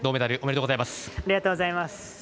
ありがとうございます。